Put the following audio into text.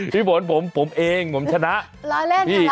พี่โบนผมผมตัวเป็นแล้ว